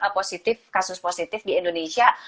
positif kasus positif di indonesia